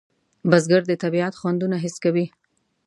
بزګر د طبیعت خوندونه حس کوي